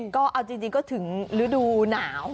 ก็เอาจริงก็ถึงฤดูหนาว